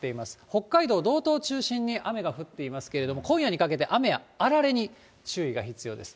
北海道、道東を中心に雨が降っていますけれども、今夜にかけて、雨やあられに注意が必要です。